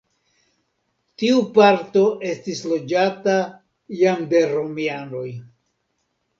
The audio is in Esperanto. Tiu parto estis loĝata jam de romianoj.